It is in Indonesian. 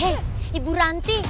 he bu ranti